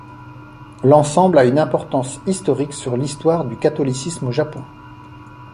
L'ensemble a une importance historique sur l'histoire du catholicisme au Japon.